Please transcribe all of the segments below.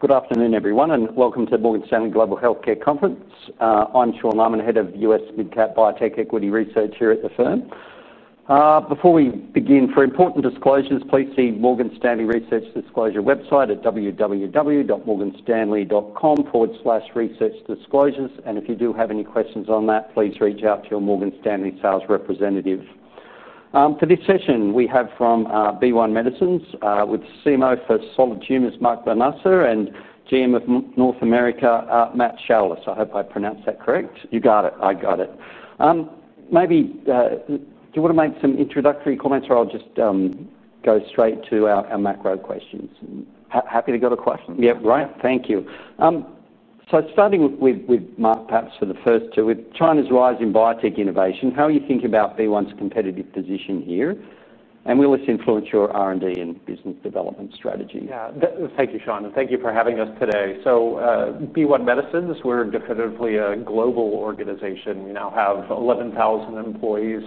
Good afternoon, everyone, and welcome to the Morgan Stanley Global Healthcare Conference. I'm Sean Laaman, Head of U.S. Mid-Cap Biotech Equity Research here at the firm. Before we begin, for important disclosures, please see the Morgan Stanley Research Disclosure website at www.morganstanley.com/researchdisclosures. If you do have any questions on that, please reach out to your Morgan Stanley sales representative. For this session, we have from BeOne Medicines the CMO for Solid Tumors, Mark Lanasa, and General Manager of North America, Matt Shaulis. I hope I pronounced that correct. You got it. I got it. Maybe, do you want to make some introductory comments, or I'll just go straight to our macro questions? Happy to go to questions. Yeah, great. Thank you. Starting with Mark, perhaps for the first two, with China's rise in biotech innovation, how are you thinking about BeOne's competitive position here? Will this influence your R&D and business development strategy? Thank you, Sean. Thank you for having us today. BeOne Medicines, we're definitely a global organization. We now have 11,000 employees,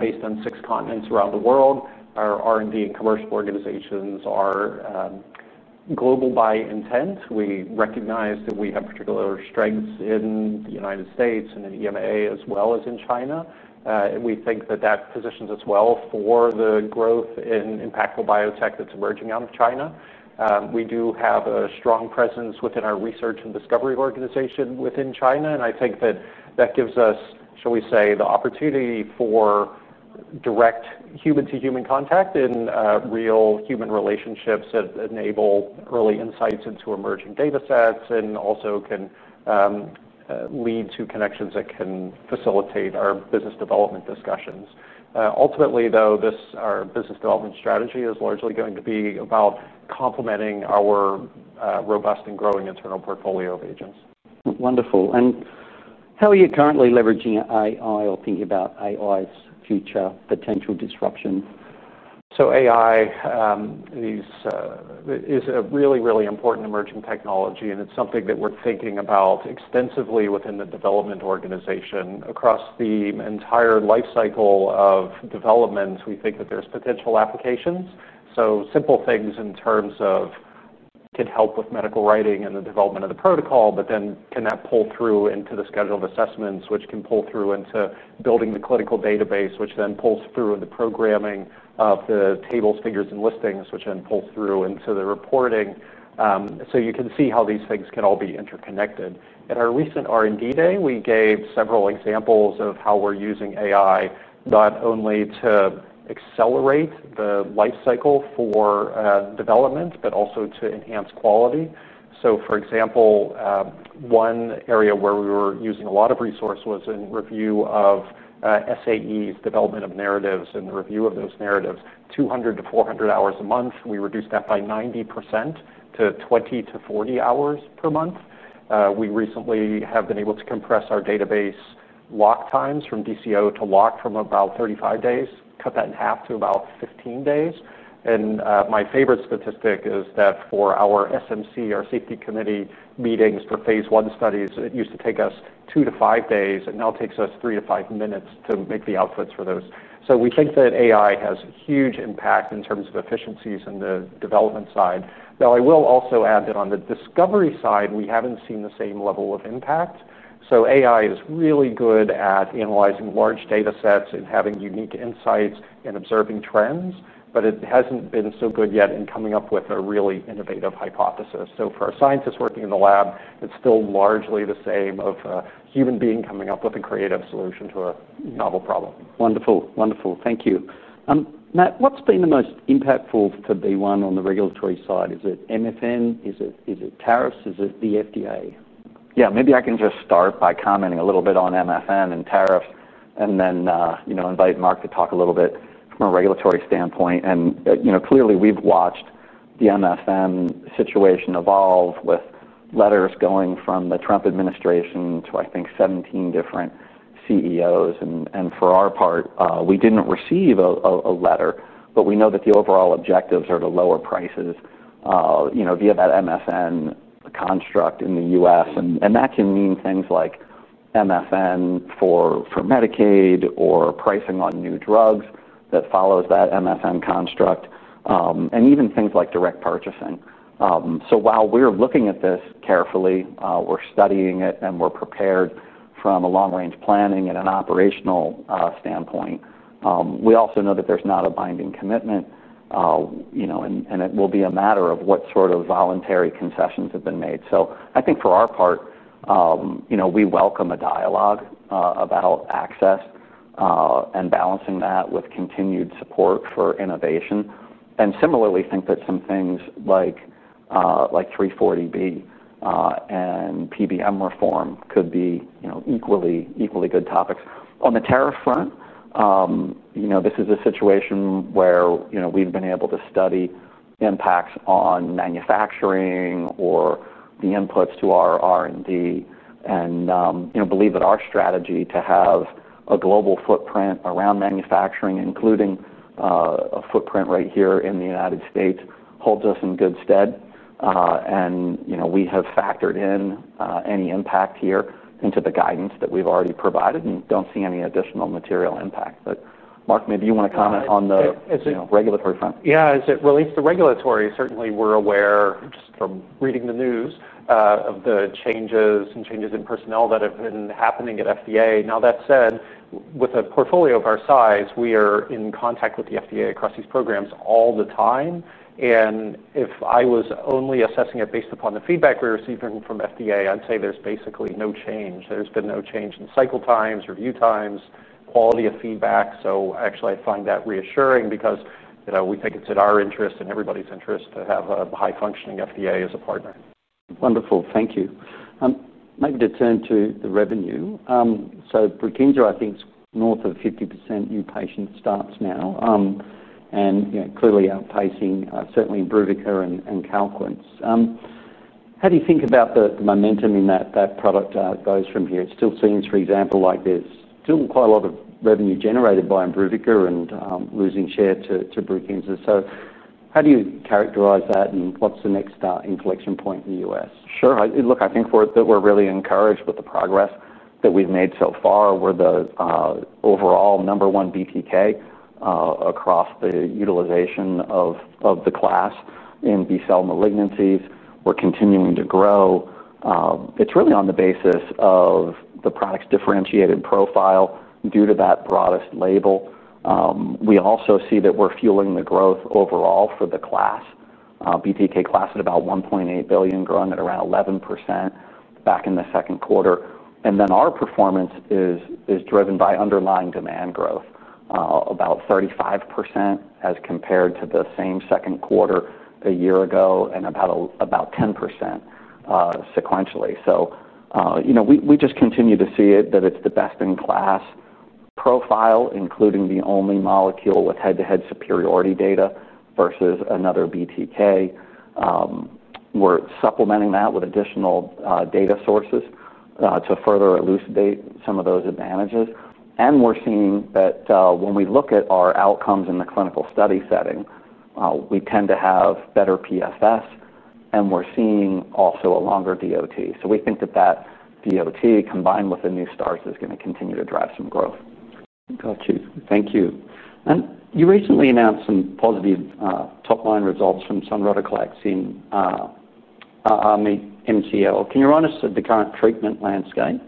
based on six continents around the world. Our R&D and commercial organizations are global by intent. We recognize that we have particular strengths in the United States and in EMEA as well as in China. We think that that positions us well for the growth in impactful biotech that's emerging out of China. We do have a strong presence within our research and discovery organization within China, and I think that that gives us, shall we say, the opportunity for direct human-to-human contact and real human relationships that enable early insights into emerging data sets and also can lead to connections that can facilitate our business development discussions. Ultimately, though, our business development strategy is largely going to be about complementing our robust and growing internal portfolio of agents. How are you currently leveraging AI or thinking about AI's future potential disruption? AI is a really, really important emerging technology, and it's something that we're thinking about extensively within the development organization. Across the entire lifecycle of developments, we think that there's potential applications. Simple things in terms of, can help with medical writing and the development of the protocol, but then can that pull through into the scheduled assessments, which can pull through into building the clinical database, which then pulls through in the programming of the tables, figures, and listings, which then pulls through into the reporting. You can see how these things can all be interconnected. At our recent R&D day, we gave several examples of how we're using AI not only to accelerate the lifecycle for development, but also to enhance quality. For example, one area where we were using a lot of resources was in review of SAEs, development of narratives, and the review of those narratives. 200 hours-400 hours a month, we reduced that by 90% to 20 hours-40 hours per month. We recently have been able to compress our database lock times from DCO to lock from about 35 days, cut that in half to about 15 days. My favorite statistic is that for our SMC, our safety committee meetings for phase I studies, it used to take us two to five days, and now it takes us 3 minutes-five minutes to make the outputs for those. We think that AI has a huge impact in terms of efficiencies in the development side. I will also add that on the discovery side, we haven't seen the same level of impact. AI is really good at analyzing large data sets and having unique insights and observing trends, but it hasn't been so good yet in coming up with a really innovative hypothesis. For a scientist working in the lab, it's still largely the same as a human being coming up with a creative solution to a novel problem. Wonderful, wonderful. Thank you. Matt, what's been the most impactful to BeOne on the regulatory side? Is it MFN? Is it tariffs? Is it the FDA? Yeah, maybe I can just start by commenting a little bit on MFN and tariffs and then invite Mark to talk a little bit from a regulatory standpoint. Clearly we've watched the MFN situation evolve with letters going from the Trump administration to, I think, 17 different CEOs. For our part, we didn't receive a letter, but we know that the overall objectives are to lower prices via that MFN construct in the U.S. That can mean things like MFN for Medicaid or pricing on new drugs that follow that MFN construct, and even things like direct purchasing. While we're looking at this carefully, we're studying it and we're prepared from a long-range planning and an operational standpoint. We also know that there's not a binding commitment, and it will be a matter of what sort of voluntary concessions have been made. I think for our part, we welcome a dialogue about access and balancing that with continued support for innovation. Similarly, I think that some things like 340B and PBM reform could be equally good topics. On the tariff front, this is a situation where we've been able to study impacts on manufacturing or the inputs to our R&D and believe that our strategy to have a global footprint around manufacturing, including a footprint right here in the United States, holds us in good stead. We have factored in any impact here into the guidance that we've already provided and don't see any additional material impact. Mark, maybe you want to comment on the regulatory front? As it relates to regulatory, certainly we're aware, from reading the news, of the changes and changes in personnel that have been happening at FDA. That said, with a portfolio of our size, we are in contact with the FDA across these programs all the time. If I was only assessing it based upon the feedback we're receiving from FDA, I'd say there's basically no change. There's been no change in cycle times, review times, quality of feedback. I find that reassuring because, you know, we think it's in our interest and everybody's interest to have a high-functioning FDA as a partner. Wonderful. Thank you. Maybe to turn to the revenue. So BRUKINSA, I think, is north of 50% new patient starts now, and, you know, clearly outpacing, certainly IMBRUVICA and Calquence. How do you think about the momentum in that that product goes from here? It still seems, for example, like there's still quite a lot of revenue generated by IMBRUVICA and losing share to BRUKINSA. How do you characterize that and what's the next inflection point in the U.S.? Sure. Look, I think that we're really encouraged with the progress that we've made so far with the overall number one BPK, across the utilization of the class in B-cell malignancies. We're continuing to grow. It's really on the basis of the product's differentiated profile due to that broadest label. We also see that we're fueling the growth overall for the class. BPK class at about $1.8 billion, growing at around 11% back in the second quarter. Then our performance is driven by underlying demand growth, about 35% as compared to the same second quarter a year ago and about 10% sequentially. You know, we just continue to see it that it's the best in class profile, including the only molecule with head-to-head superiority data versus another BTK. We're supplementing that with additional data sources to further elucidate some of those advantages. We're seeing that, when we look at our outcomes in the clinical study setting, we tend to have better PFS, and we're seeing also a longer DOT. We think that DOT combined with the new STARs is going to continue to drive some growth. Got you. Thank you. You recently announced some positive, top-line results from sonrotoclax in mantle cell lymphoma. Can you run us through the current treatment landscape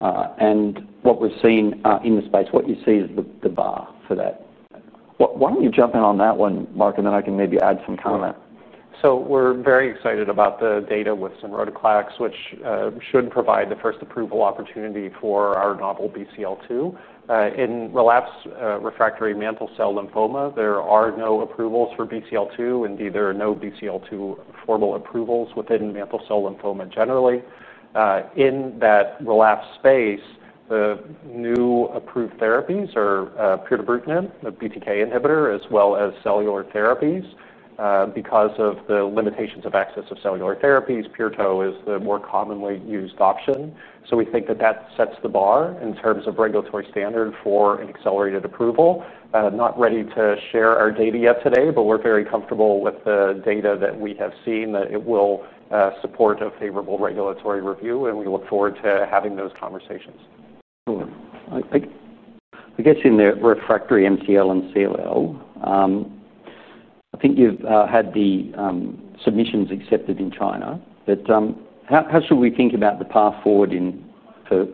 and what we've seen in the space, what you see as the bar for that? Why don't you jump in on that one, Mark, and then I can maybe add some comment? We're very excited about the data with sonrotoclax, which should provide the first approval opportunity for our novel BCL2 in relapsed, refractory mantle cell lymphoma. There are no approvals for BCL2, and either no BCL2 formal approvals within mantle cell lymphoma generally. In that relapsed space, the new approved therapies are pirtobrutinib, a BTK inhibitor, as well as cellular therapies. Because of the limitations of access to cellular therapies, pirto is the more commonly used option. We think that sets the bar in terms of regulatory standard for an accelerated approval. Not ready to share our data yet today, but we're very comfortable with the data that we have seen that it will support a favorable regulatory review, and we look forward to having those conversations. I guess in the refractory MCL and CLL, I think you've had the submissions accepted in China. How should we think about the path forward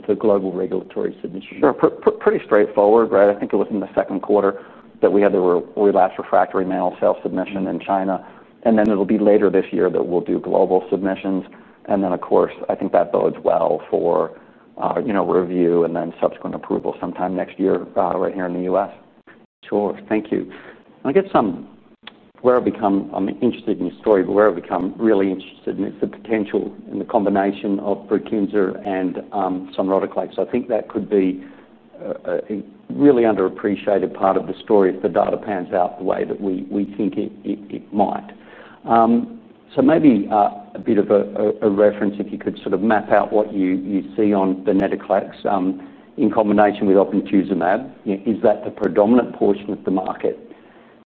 for global regulatory submissions? Sure. Pretty straightforward, right? I think it was in the second quarter that we had the relapsed refractory mantle cell submission in China. It'll be later this year that we'll do global submissions. Of course, I think that bodes well for review and then subsequent approval sometime next year, right here in the U.S. Sure. Thank you. I guess I'm where I become, I'm interested in your story, but where I become really interested is the potential in the combination of BRUKINSA and sonrotoclax. I think that could be a really underappreciated part of the story if the data pans out the way that we think it might. Maybe, a bit of a reference if you could sort of map out what you see on venetoclax in combination with obinutuzumab. Is that the predominant portion of the market?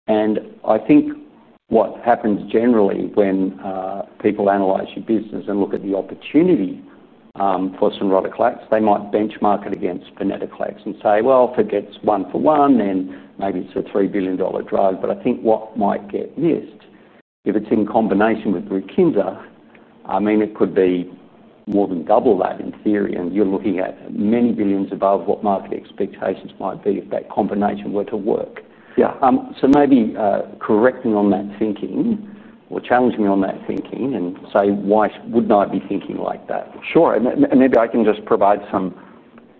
I think what happens generally when people analyze your business and look at the opportunity for sonrotoclax, they might benchmark it against venetoclax and say, if it gets one for one, then maybe it's a $3 billion drug. I think what might get missed, if it's in combination with BRUKINSA, it could be more than double that in theory. You're looking at many billions above what market expectations might be if that combination were to work. Maybe, correct me on that thinking or challenge me on that thinking and say, why wouldn't I be thinking like that? Sure. Maybe I can just provide some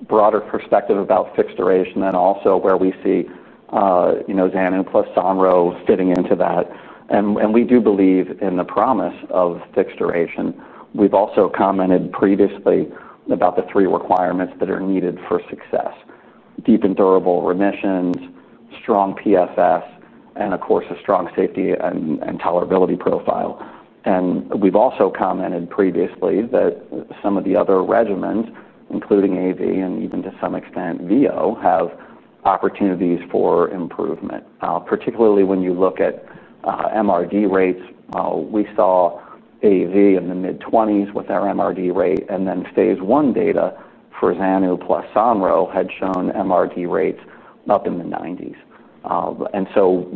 broader perspective about fixed duration, then also where we see, you know, sonro plus zanu getting into that. We do believe in the promise of fixed duration. We've also commented previously about the three requirements that are needed for success: deep and durable remissions, strong PFS, and of course, a strong safety and tolerability profile. We've also commented previously that some of the other regimens, including AV and even to some extent VO, have opportunities for improvement. Particularly when you look at MRD rates, we saw AV in the mid-20s with our MRD rate, and then phase I data for sonro plus zanu had shown MRD rates up in the 90s.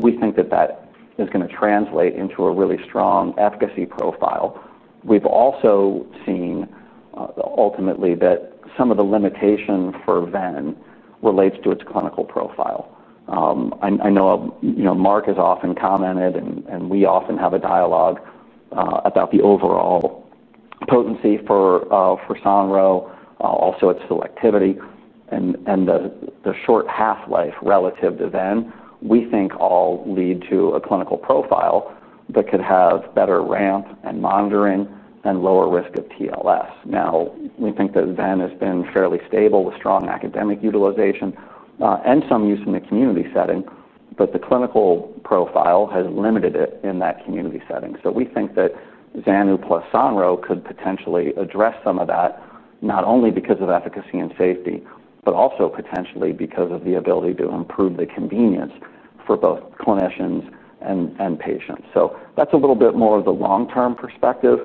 We think that is going to translate into a really strong efficacy profile. We've also seen, ultimately, that some of the limitation for ven relates to its clinical profile. I know, you know, Mark has often commented and we often have a dialogue about the overall potency for sonro, also its selectivity, and the short half-life relative to ven, we think all lead to a clinical profile that could have better ramp and monitoring and lower risk of TLS. We think that ven has been fairly stable with strong academic utilization, and some use in the community setting, but the clinical profile has limited it in that community setting. We think that sonro plus zanu could potentially address some of that, not only because of efficacy and safety, but also potentially because of the ability to improve the convenience for both clinicians and patients. That's a little bit more of the long-term perspective.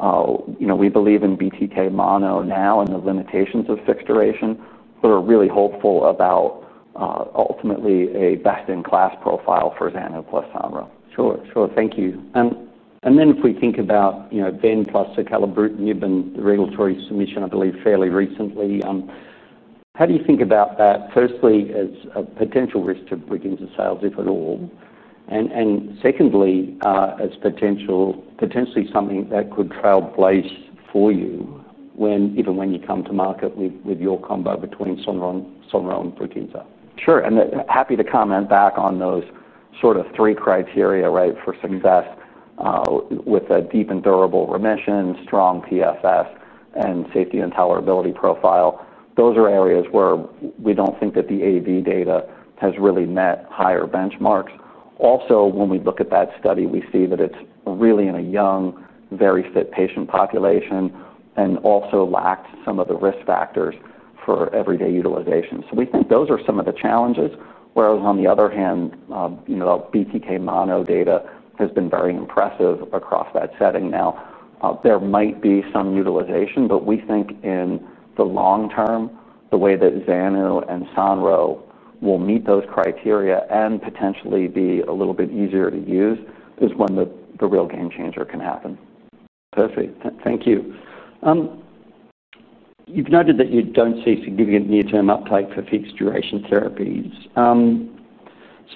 You know, we believe in BTK mono now and the limitations of fixed duration, but are really hopeful about, ultimately, a best-in-class profile for sonro plus zanu. Thank you. If we think about [ven plus Calquence], you've been the regulatory submission, I believe, fairly recently. How do you think about that firstly as a potential risk to BRUKINSA sales, if at all? Secondly, as potentially something that could trail the place for you even when you come to market with your combo between sonro and BRUKINSA? Sure. Happy to comment back on those sort of three criteria for success, with a deep and durable remission, strong PFS, and safety and tolerability profile. Those are areas where we don't think that the AV data has really met higher benchmarks. Also, when we look at that study, we see that it's really in a young, very fit patient population and also lacked some of the risk factors for everyday utilization. We think those are some of the challenges. On the other hand, the BTK mono data has been very impressive across that setting. There might be some utilization, but we think in the long term, the way that zanu and sonro will meet those criteria and potentially be a little bit easier to use is when the real game changer can happen. Perfect. Thank you. You've noted that you don't see significant near-term uptake for fixed duration therapies.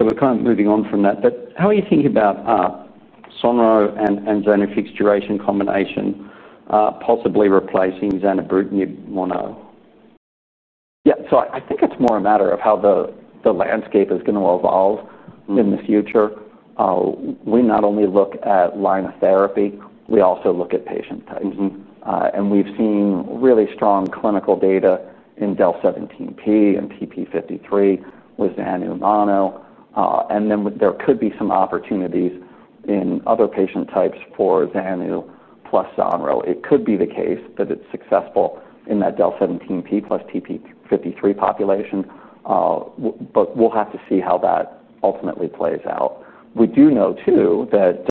We're kind of moving on from that, but how are you thinking about sonro and zanu fixed duration combination, possibly replacing acalabrutinib mono? Yeah, so I think it's more a matter of how the landscape is going to evolve in the future. We not only look at line of therapy, we also look at patient types. We've seen really strong clinical data in del(17p) and TP53 with [zanu mono], and then there could be some opportunities in other patient types for zanu plus sonro. It could be the case that it's successful in that del(17p) plus TP53 population, but we'll have to see how that ultimately plays out. We do know too that,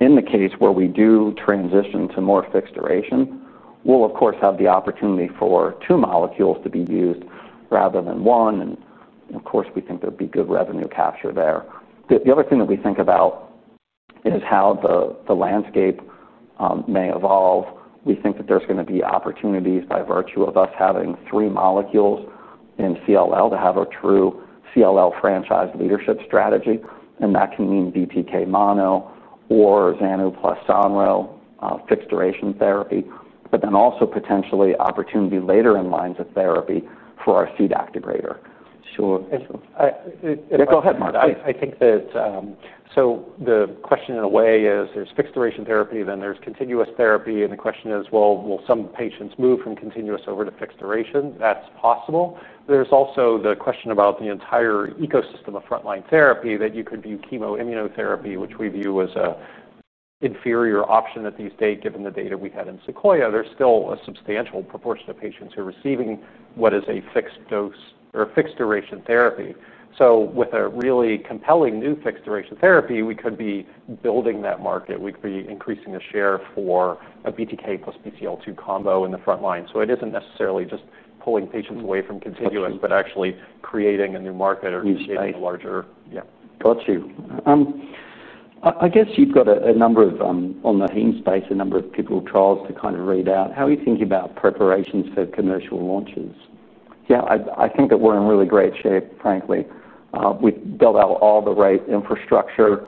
in the case where we do transition to more fixed duration, we'll of course have the opportunity for two molecules to be used rather than one. We think there'd be good revenue capture there. The other thing that we think about is how the landscape may evolve. We think that there's going to be opportunities by virtue of us having three molecules in CLL to have a true CLL franchise leadership strategy. That can mean BTK mono or zanu plus sonro, fixed duration therapy, but then also potentially opportunity later in lines of therapy for our seed activator. Sure. Go ahead, Mark. I think that the question in a way is there's fixed duration therapy, then there's continuous therapy. The question is, will some patients move from continuous over to fixed duration? That's possible. There's also the question about the entire ecosystem of frontline therapy that you could view chemoimmunotherapy, which we view as an inferior option at this date given the data we've had in SEQUOIA. There's still a substantial proportion of patients who are receiving what is a fixed dose or fixed duration therapy. With a really compelling new fixed duration therapy, we could be building that market. We could be increasing the share for a BTK plus BCL2 combo in the frontline. It isn't necessarily just pulling patients away from continuous, but actually creating a new market or creating a larger. Got you. I guess you've got a number of, on the heme space, a number of pivotal trials to kind of read out. How are you thinking about preparations for commercial launches? Yeah, I think that we're in really great shape, frankly. We've built out all the right infrastructure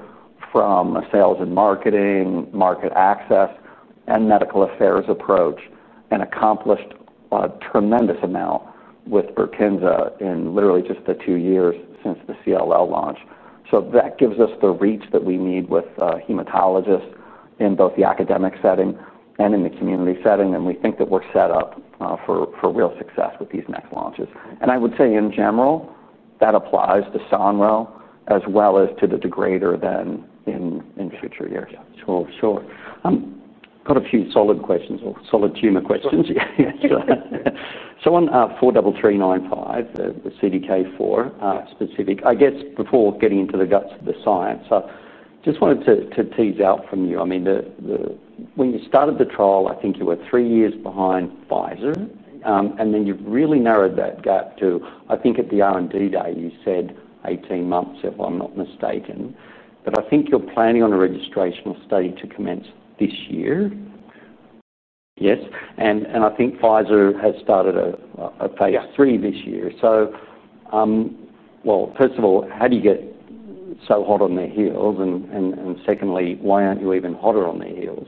from sales and marketing, market access, and medical affairs approach and accomplished a tremendous amount with BRUKINSA in literally just the two years since the CLL launch. That gives us the reach that we need with hematologists in both the academic setting and in the community setting. We think that we're set up for real success with these next launches. I would say in general, that applies to sonro as well as to the degrader in future years. Sure. I've got a few solid questions or solid tumor questions. Yeah, sure. On 43395, the CDK4 specific, before getting into the guts of the science, I just wanted to tease out from you, when you started the trial, I think you were three years behind Pfizer. You've really narrowed that gap to, I think at the R&D day, you said 18 months if I'm not mistaken. I think you're planning on a registration study to commence this year. Yes. I think Pfizer has started a phase III this year. First of all, how do you get so hot on their heels? Secondly, why aren't you even hotter on their heels?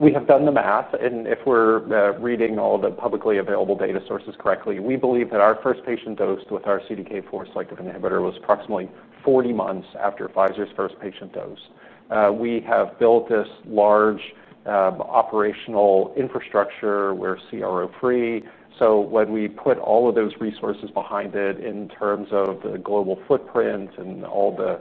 We have done the math. If we're reading all the publicly available data sources correctly, we believe that our first patient dose with our selective CDK4 inhibitor was approximately 40 months after Pfizer's first patient dose. We have built this large operational infrastructure. We're CRO free. When we put all of those resources behind it in terms of the global footprint and all the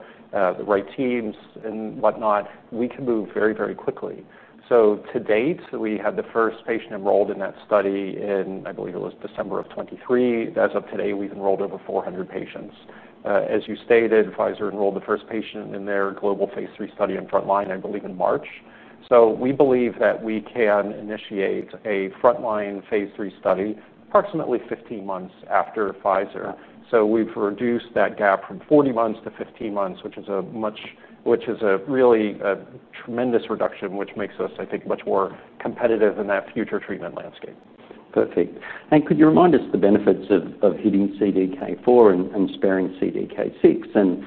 right teams and whatnot, we can move very, very quickly. To date, we had the first patient enrolled in that study in, I believe it was December of 2023. As of today, we've enrolled over 400 patients. As you stated, Pfizer enrolled the first patient in their global phase III study in frontline, I believe in March. We believe that we can initiate a frontline phase III study approximately 15 months after Pfizer. We've reduced that gap from 40 months-50 months, which is a really tremendous reduction, which makes us, I think, much more competitive in that future treatment landscape. Perfect. Could you remind us the benefits of hitting CDK4 and sparing CDK6?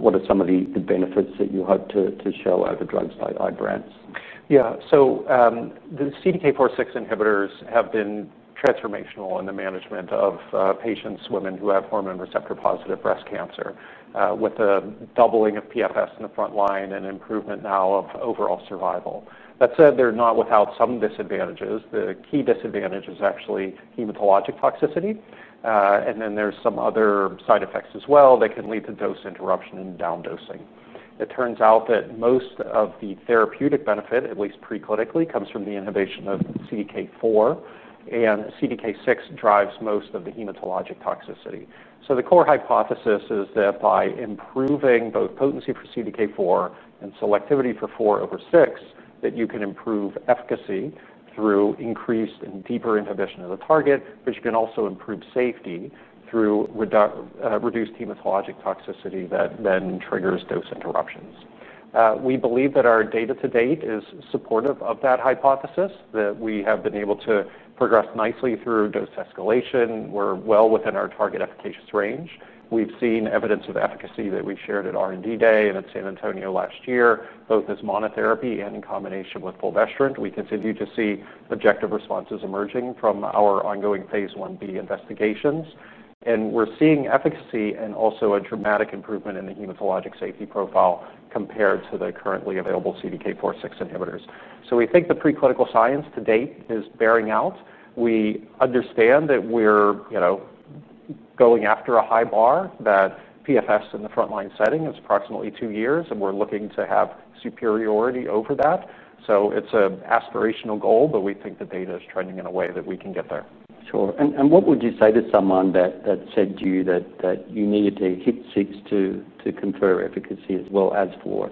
What are some of the benefits that you hope to show over drugs like Ibrance? Yeah, so the CDK4/6 inhibitors have been transformational in the management of patients, women who have hormone receptor-positive breast cancer, with the doubling of PFS in the front line and improvement now of overall survival. That said, they're not without some disadvantages. The key disadvantage is actually hematologic toxicity. There are some other side effects as well that can lead to dose interruption and down dosing. It turns out that most of the therapeutic benefit, at least preclinically, comes from the inhibition of CDK4. CDK6 drives most of the hematologic toxicity. The core hypothesis is that by improving both potency for CDK4 and selectivity for 4 over 6, you can improve efficacy through increased and deeper inhibition of the target, but you can also improve safety through reduced hematologic toxicity that then triggers dose interruptions. We believe that our data to date is supportive of that hypothesis, that we have been able to progress nicely through dose escalation. We're well within our target efficacious range. We've seen evidence of efficacy that we shared at R&D Day and at San Antonio last year, both as monotherapy and in combination with fulvestrant. We continue to see objective responses emerging from our ongoing phase I-B investigations. We're seeing efficacy and also a dramatic improvement in the hematologic safety profile compared to the currently available CDK4/6 inhibitors. We think the preclinical science to date is bearing out. We understand that we're going after a high bar, that PFS in the frontline setting is approximately two years, and we're looking to have superiority over that. It's an aspirational goal, but we think the data is trending in a way that we can get there. What would you say to someone that said to you that you needed to hit six to confer efficacy as well as four?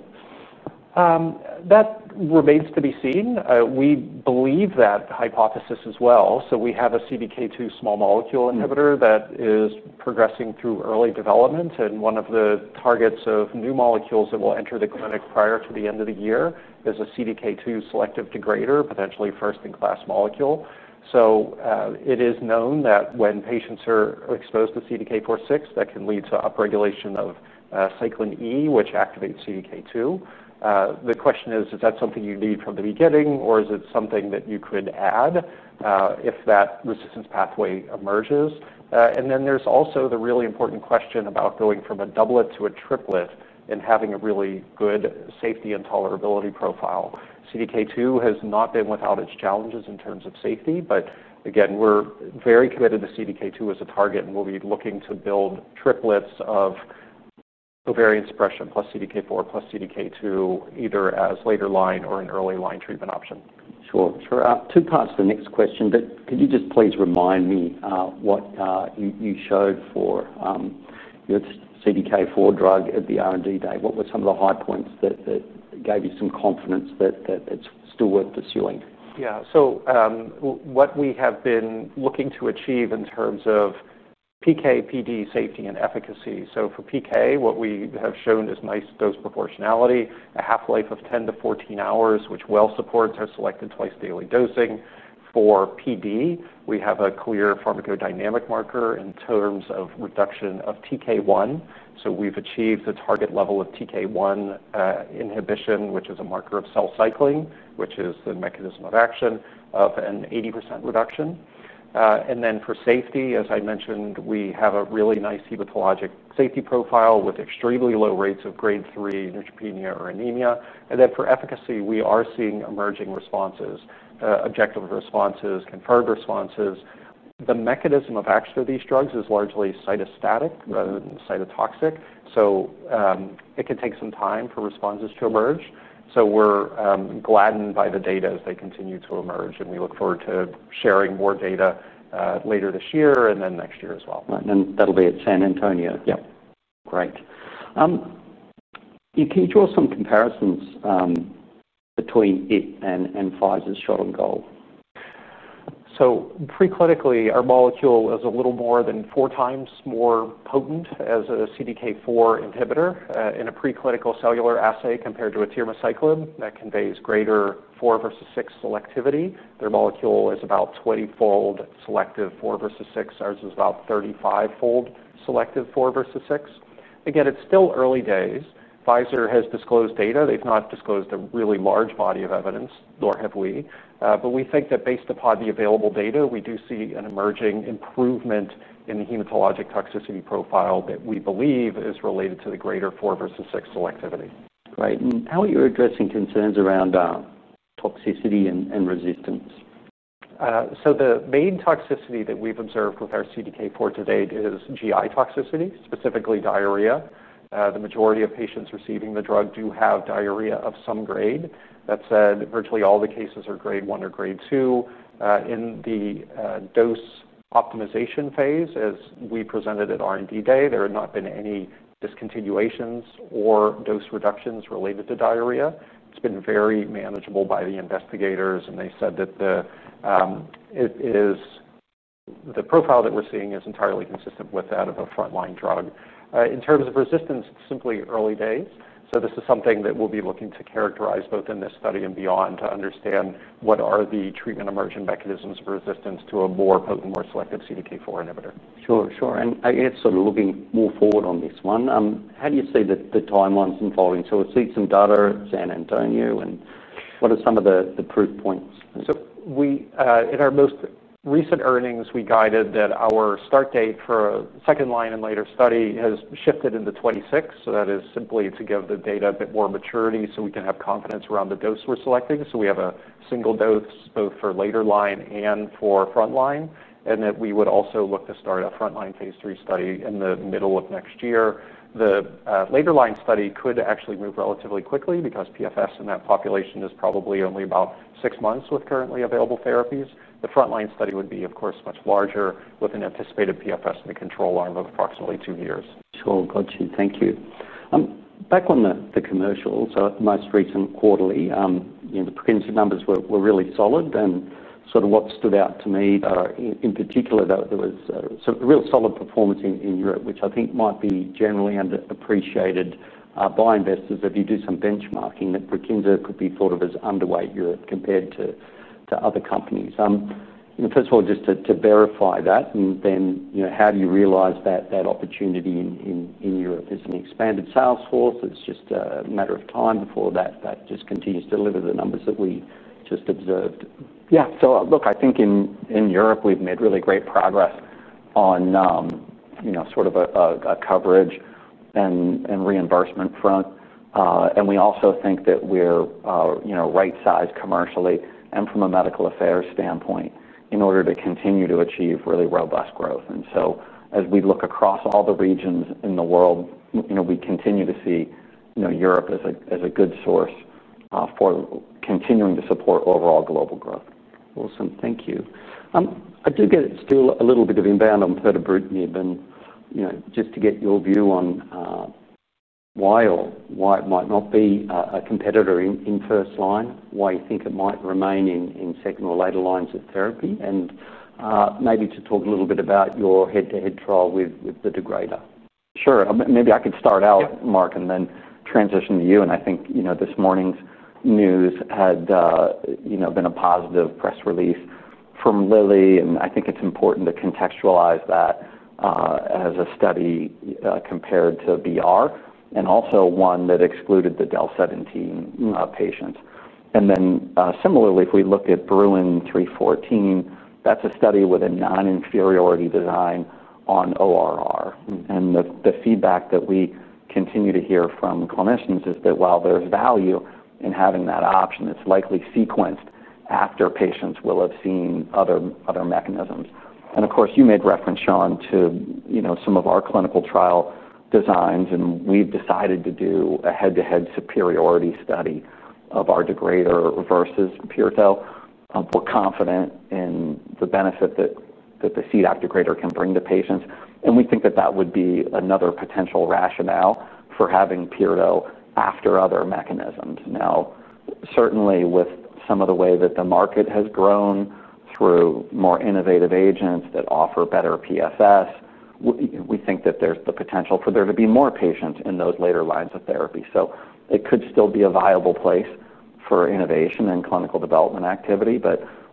That remains to be seen. We believe that hypothesis as well. We have a CDK2 small molecule inhibitor that is progressing through early development. One of the targets of new molecules that will enter the clinic prior to the end of the year is a CDK2 selective degrader, potentially first-in-class molecule. It is known that when patients are exposed to CDK4/6, that can lead to upregulation of cyclin E, which activates CDK2. The question is, is that something you need from the beginning, or is it something that you could add if that resistance pathway emerges? There is also the really important question about going from a doublet to a triplet and having a really good safety and tolerability profile. CDK2 has not been without its challenges in terms of safety, but again, we're very committed to CDK2 as a target, and we'll be looking to build triplets of ovarian suppression plus CDK4 plus CDK2, either as later line or an early line treatment option. Sure. Two parts to the next question, but could you just please remind me what you showed for your CDK4 drug at the R&D day? What were some of the high points that gave you some confidence that that's still worth pursuing? Yeah. What we have been looking to achieve in terms of PK, PD, safety, and efficacy. For PK, what we have shown is nice dose proportionality, a half-life of 10 hours-14 hours, which well supports our selected twice daily dosing. For PD, we have a clear pharmacodynamic marker in terms of reduction of TK1. We've achieved the target level of TK1 inhibition, which is a marker of cell cycling, which is the mechanism of action of an 80% reduction. For safety, as I mentioned, we have a really nice hematologic safety profile with extremely low rates of grade 3 neutropenia or anemia. For efficacy, we are seeing emerging responses, objective responses, confirmed responses. The mechanism of action of these drugs is largely cytostatic, cytotoxic. It can take some time for responses to emerge. We're gladdened by the data as they continue to emerge, and we look forward to sharing more data later this year and next year as well. That'll be at San Antonio. Yeah. Great. Can you draw some comparisons between it and Pfizer's shot on goal? Preclinically, our molecule is a little more than four times more potent as a CDK4 inhibitor in a preclinical cellular assay compared to a thermocyclone that conveys greater 4 versus 6 selectivity. Their molecule is about 20-fold selective 4 versus 6. Ours is about 35-fold selective 4 versus 6. It is still early days. Pfizer has disclosed data. They've not disclosed a really large body of evidence, nor have we. We think that based upon the available data, we do see an emerging improvement in the hematologic toxicity profile that we believe is related to the greater 4 versus 6 selectivity. Right. How are you addressing concerns around toxicity and resistance? The main toxicity that we've observed with our selective CDK4 inhibitor to date is GI toxicity, specifically diarrhea. The majority of patients receiving the drug do have diarrhea of some grade. That said, virtually all the cases are grade one or grade two. In the dose optimization phase, as we presented at R&D day, there have not been any discontinuations or dose reductions related to diarrhea. It's been very manageable by the investigators, and they said that the profile that we're seeing is entirely consistent with that of a frontline drug. In terms of resistance, it's simply early days. This is something that we'll be looking to characterize both in this study and beyond to understand what are the treatment emergent mechanisms of resistance to a more potent, more selective CDK4 inhibitor. Sure. I guess sort of looking more forward on this one, how do you see the timelines evolving? We've seen some data at San Antonio, and what are some of the proof points? In our most recent earnings, we guided that our start date for a second line and later study has shifted into 2026. That is simply to give the data a bit more maturity so we can have confidence around the dose we're selecting. We have a single dose both for later line and for frontline, and we would also look to start a frontline phase III study in the middle of next year. The later line study could actually move relatively quickly because PFS in that population is probably only about six months with currently available therapies. The frontline study would be, of course, much larger with an anticipated PFS in the control arm of approximately two years. Sure. Thank you. I'm back on the commercial. At the most recent quarterly, the pregnancy numbers were really solid. What stood out to me, in particular, though, was a real solid performance in Europe, which I think might be generally underappreciated by investors. If you do some benchmarking, BeOne could be thought of as underweight Europe compared to other companies. First of all, just to verify that, and then, how do you realize that opportunity in Europe? Is it an expanded sales force? Is it just a matter of time before that just continues to deliver the numbers that we just observed? Yeah. I think in Europe, we've made really great progress on, you know, sort of a coverage and reimbursement front. We also think that we're, you know, right-sized commercially and from a medical affairs standpoint in order to continue to achieve really robust growth. As we look across all the regions in the world, you know, we continue to see, you know, Europe as a good source for continuing to support overall global growth. Awesome. Thank you. I do get still a little bit of email on [zanubrutinib]. You know, just to get your view on why or why it might not be a competitor in first line, why you think it might remain in second or later lines of therapy, and maybe to talk a little bit about your head-to-head trial with the degrader. Sure. Maybe I could start out, Mark, and then transition to you. I think this morning's news had been a positive press release from Lilly. I think it's important to contextualize that as a study compared to BR and also one that excluded the Del-17 patients. Similarly, if we look at Bruin 314, that's a study with a non-inferiority design on ORR. The feedback that we continue to hear from clinicians is that while there's value in having that option, it's likely sequenced after patients will have seen other mechanisms. Of course, you made reference, Sean, to some of our clinical trial designs, and we've decided to do a head-to-head superiority study of our degrader versus Pyrido. We're confident in the benefit that the Cdap degrader can bring to patients. We think that that would be another potential rationale for having Pyrido after other mechanisms. Certainly with some of the way that the market has grown through more innovative agents that offer better PFS, we think that there's the potential for there to be more patients in those later lines of therapy. It could still be a viable place for innovation and clinical development activity.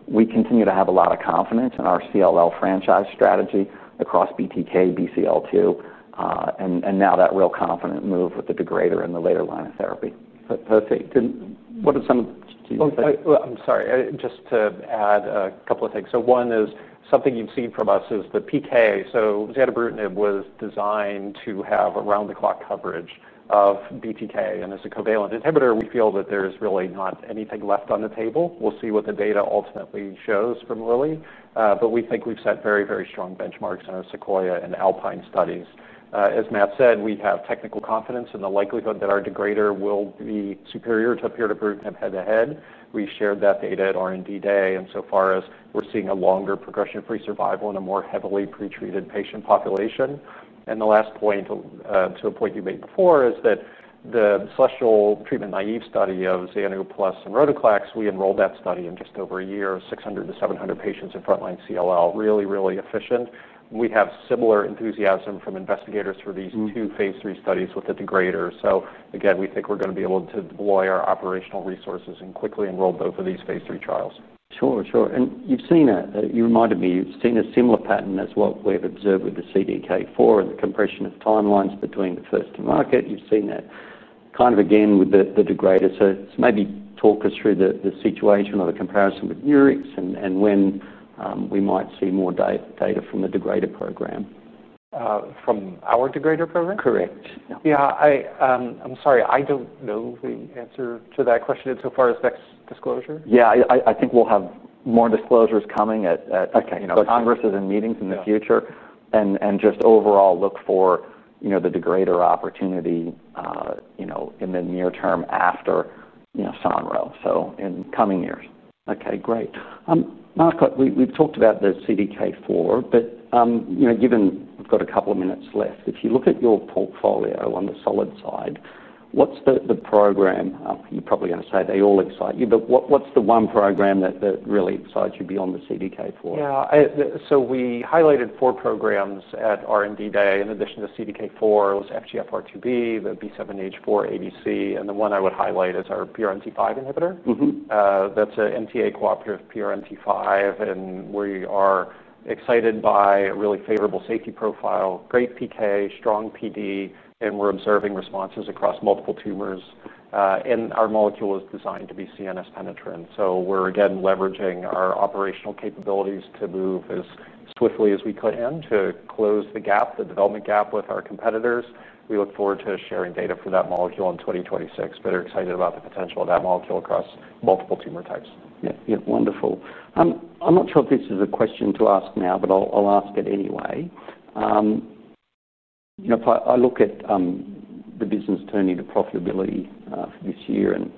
We continue to have a lot of confidence in our CLL franchise strategy across BTK, BCL2, and now that real confident move with the degrader in the later line of therapy. your pipeline assets and any potential out-licensing opportunities? I'm sorry. Just to add a couple of things. One is something you've seen from us is the PK. BRUKINSA was designed to have around-the-clock coverage of BTK. As a covalent inhibitor, we feel that there is really not anything left on the table. We'll see what the data ultimately shows from Lilly. We think we've set very, very strong benchmarks in our SEQUOIA and ALPINE studies. As Matt said, we have technical confidence in the likelihood that our degrader will be superior to pirtobrutinib head-to-head. We shared that data at R&D Day. So far, we're seeing a longer progression-free survival in a more heavily pretreated patient population. The last point, to a point you made before, is that the special treatment-naive study of zanu plus sonrotoclax, we enrolled that study in just over a year, 600-700 patients in frontline CLL, really, really efficient. We have similar enthusiasm from investigators for these two phase III studies with the degrader. We think we're going to be able to deploy our operational resources and quickly enroll both of these phase III trials. Sure. You've seen a similar pattern as what we've observed with the CDK4 and the compression of timelines between the first to market. You've seen that kind of again with the degrader. Maybe talk us through the situation or the comparison with Murex and when we might see more data from the degrader program. From our degrader program? Correct. I'm sorry. I don't know the answer to that question in so far as next disclosure. I think we'll have more disclosures coming at congresses and meetings in the future. Just overall look for the degrader opportunity in the near term after, you know, sonro, so in coming years. Okay, great. Mark, we've talked about the CDK4, but you know, given we've got a couple of minutes left, if you look at your portfolio on the solid side, what's the program? You're probably going to say they all excite you, but what's the one program that really excites you beyond the CDK4? Yeah, so we highlighted four programs at R&D Day. In addition to CDK4, it was FGFR2B, the B7-H4 ADC, and the one I would highlight is our PRMT5 inhibitor. That's an MTA cooperative PRMT5, and we're excited by a really favorable safety profile, great PK, strong PD, and we're observing responses across multiple tumors. Our molecule is designed to be CNS penetrant. We're again leveraging our operational capabilities to move as swiftly as we could to close the gap, the development gap with our competitors. We look forward to sharing data for that molecule in 2026, and are excited about the potential of that molecule across multiple tumor types. Yeah, wonderful. I'm not sure if this is a question to ask now, but I'll ask it anyway. You know, if I look at the business turning to profitability for this year, and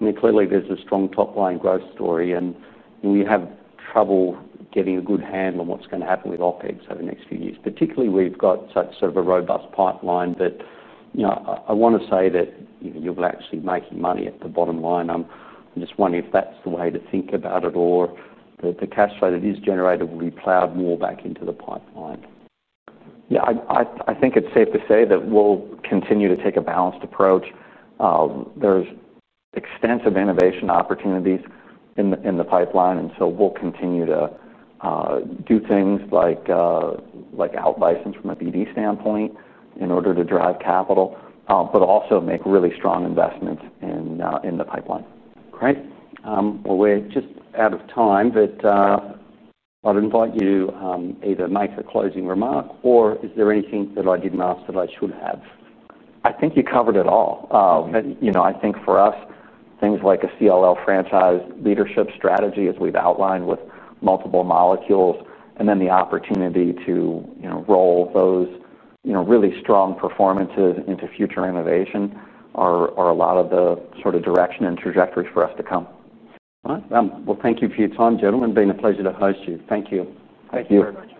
I mean, clearly there's a strong top-line growth story, and you have trouble getting a good handle on what's going to happen with OpEx over the next few years. Particularly, we've got such sort of a robust pipeline that, you know, I want to say that you're actually making money at the bottom line. I'm just wondering if that's the way to think about it or the cash flow that is generated will be ploughed more back into the pipeline. I think it's safe to say that we'll continue to take a balanced approach. There's extensive innovation opportunities in the pipeline, and we'll continue to do things like out-license from a BD standpoint in order to drive capital, but also make really strong investments in the pipeline. Great. We're just out of time, but I'd invite you to either make a closing remark or is there anything that I didn't ask that I should have? I think you covered it all. I think for us, things like a CLL franchise leadership strategy, as we've outlined with multiple molecules, and then the opportunity to roll those really strong performances into future innovation are a lot of the sort of direction and trajectories for us to come. Thank you for your time, gentlemen. It's been a pleasure to host you. Thank you. Thank you.